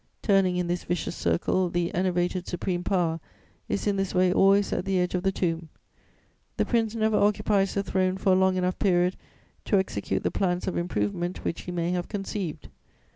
Turning in this vicious circle, the enervated supreme power is in this way always at the edge of the tomb. The prince never occupies the throne for a long enough period to execute the plans of improvement which he may have conceived.